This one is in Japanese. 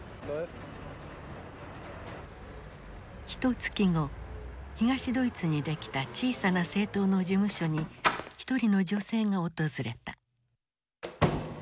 ひとつき後東ドイツにできた小さな政党の事務所に一人の女性が訪れた。